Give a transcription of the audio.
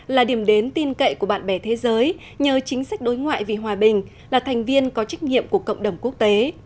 là điểm đến tin cậy của bạn bè thế giới nhờ chính sách đối ngoại vì hòa bình là thành viên có trách nhiệm của cộng đồng quốc tế